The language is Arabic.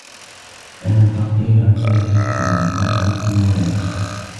لِأَنَّ الْفَقِيرَ تَارِكٌ وَالْغَنِيَّ مُلَابِسٌ